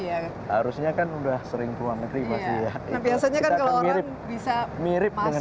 ya harusnya kan udah sering keluar negeri biasanya kan kalau orang bisa mirip dengan